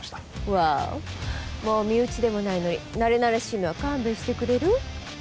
ワーオもう身内でもないのになれなれしいのは勘弁してくれる？